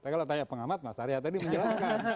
kalau tanya pengamat mas arya tadi menjelaskan